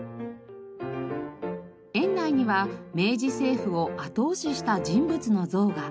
園内には明治政府を後押しした人物の像が。